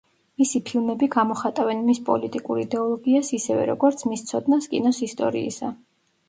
მისი ფილმები გამოხატავენ მის პოლიტიკურ იდეოლოგიას ისევე როგორც მის ცოდნას კინოს ისტორიისა.